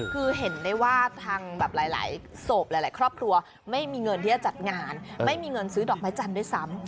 คือเห็นได้ว่าทางแบบหลายศพหลายครอบครัวไม่มีเงินที่จะจัดงานไม่มีเงินซื้อดอกไม้จันทร์ด้วยซ้ำ